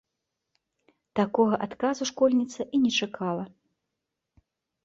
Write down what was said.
Такога адказу школьніца і не чакала.